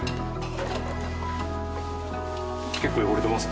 結構汚れてます？